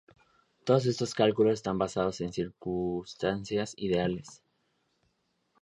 Todos estos cálculos están basados en circunstancias ideales.